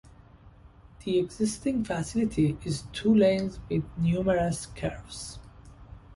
The existing facility is two lanes with numerous curves.